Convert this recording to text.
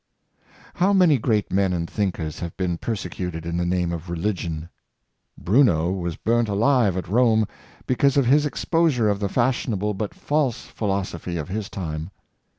How many great men and thinkers have been perse cuted in the name of religion ! Bruno was burnt alive at Rome, because of his exposure of the fashionable but false philosophy of his time.